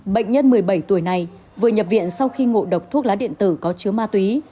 bệnh nhân một mươi bảy tuổi này vừa nhập viện sau khi ngộ độc thuốc lá điện tử có chứa ma túy